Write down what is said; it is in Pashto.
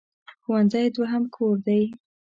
ښوونځی دوهم کور دی.